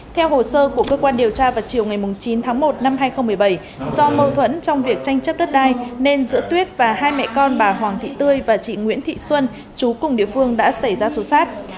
theo hồ sơ của cơ quan điều tra vào chiều ngày chín tháng một năm hai nghìn một mươi bảy do mâu thuẫn trong việc tranh chấp đất đai nên giữa tuyết và hai mẹ con bà hoàng thị tươi và chị nguyễn thị xuân chú cùng địa phương đã xảy ra số sát